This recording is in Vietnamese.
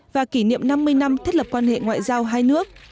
và kỷ niệm năm mươi năm thiết lập quan hệ ngoại giao hai nước